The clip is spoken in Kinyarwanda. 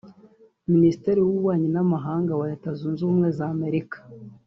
minisitiri w’ububanyi n’amahanga wa Leta Zunze Ubumwe z’Amerika